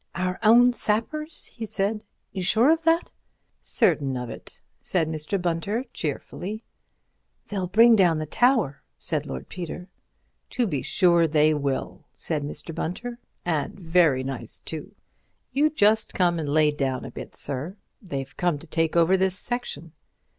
"Our own sappers," he said; "sure of that?" "Certain of it," said Mr. Bunter, cheerfully. "They'll bring down the tower," said Lord Peter. "To be sure they will," said Mr. Bunter, "and very nice, too. You just come and lay down a bit, sir—they've come to take over this section."